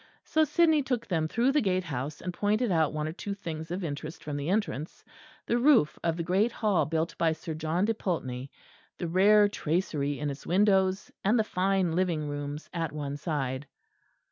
So Sidney took them through the gate house and pointed out one or two things of interest from the entrance, the roof of the Great Hall built by Sir John de Pulteney, the rare tracery in its windows and the fine living rooms at one side.